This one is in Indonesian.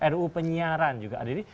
ruu penyiaran juga ada